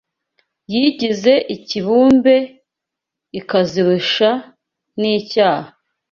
Yigize ikibumbe ikazirusha n,icyaha